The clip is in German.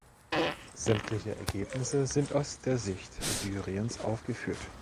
Sämtliche Ergebnisse sind aus der Sicht Syriens aufgeführt.